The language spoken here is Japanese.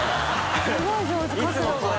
すごい上手角度が。